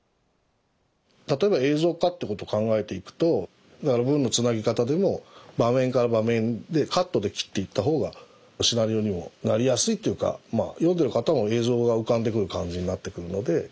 例えば映像化ってこと考えていくと文のつなぎ方でも場面から場面でカットで切っていったほうがシナリオにもなりやすいというか読んでる方も映像が浮かんでくる感じになってくるので。